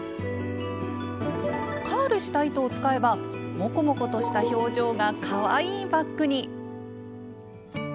カールした糸を使えばモコモコとした表情がかわいいバッグに！